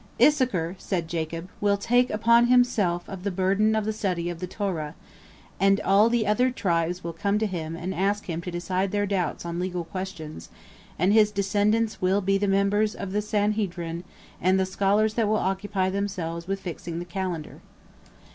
"Issachar," said Jacob, "will take upon himself the burden of the study of the Torah, and all the other tribes will come to him and ask him to decide their doubts on legal questions, and his descendants will be the members of the Sanhedrin and the scholars that will occupy themselves with fixing the calendar."